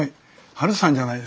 ハルさんじゃないですか。